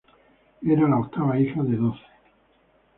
Era la octava hija de doce.